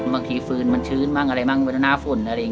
แต่มันจะสูญฟื้นบางทีมันชื้นมากอะไรป่ะ